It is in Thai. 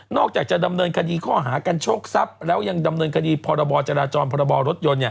อกจากจะดำเนินคดีข้อหากันโชคทรัพย์แล้วยังดำเนินคดีพรบจราจรพรบรถยนต์